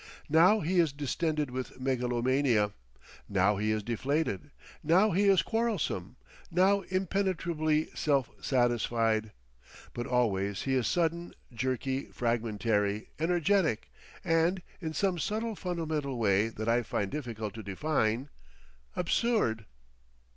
Now he is distended with megalomania, now he is deflated, now he is quarrelsome, now impenetrably self satisfied, but always he is sudden, jerky, fragmentary, energetic, and—in some subtle fundamental way that I find difficult to define—absurd.